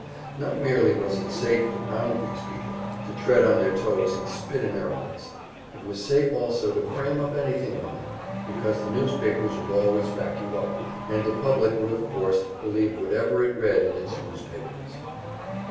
Not merely was it safe to pound these people, to tread on their toes and spit in their eyes; it was safe also to frame up anything on them, because the newspapers would always back you up, and the public would of course believe whatever it read in its newspapers.